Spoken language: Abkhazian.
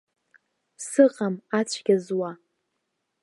Сыҟам ацәгьа зуа.